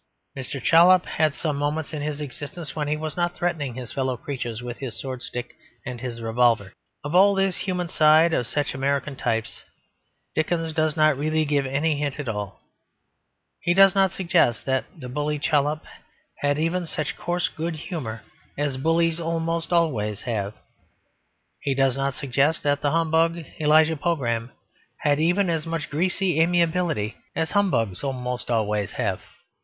Mr. Chollop had some moments in his existence when he was not threatening his fellow creatures with his sword stick and his revolver. Of all this human side of such American types Dickens does not really give any hint at all. He does not suggest that the bully Chollop had even such coarse good humour as bullies almost always have. He does not suggest that the humbug Elijah Pogram had even as much greasy amiability as humbugs almost invariably have.